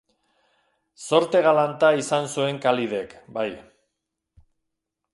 Zorte galanta izan zuen Khalidek, bai.